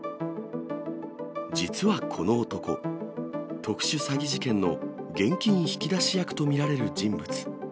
実はこの男、特殊詐欺事件の現金引き出し役と見られる人物。